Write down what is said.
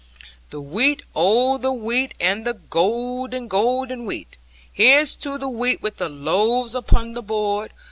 (Chorus) The wheat, oh the wheat, and the golden, golden wheat! Here's to the wheat, with the loaves upon the board!